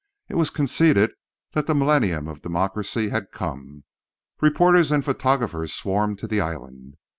It was conceded that the millennium of democracy had come. Reporters and photographers swarmed to the island.